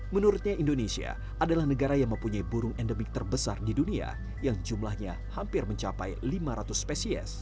menurutnya indonesia adalah negara yang mempunyai burung endemik terbesar di dunia yang jumlahnya hampir mencapai lima ratus spesies